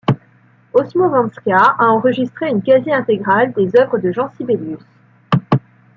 Osmo Vänskä a enregistré une quasi intégrale des œuvres de Jean Sibelius.